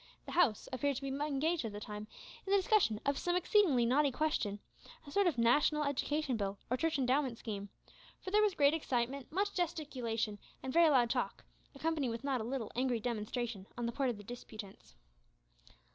The "House" appeared to be engaged at the time in the discussion of some exceedingly knotty question a sort of national education bill, or church endowment scheme for there was great excitement, much gesticulation, and very loud talk, accompanied with not a little angry demonstration on the part of the disputants.